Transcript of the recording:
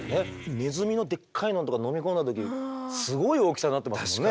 ネズミのでっかいのとか飲み込んだ時すごい大きさになってますもんね。